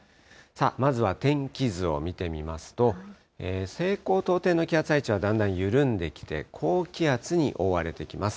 まずは天気図を見てみますと、西高東低の気圧配置はだんだん緩んできて、高気圧に覆われてきます。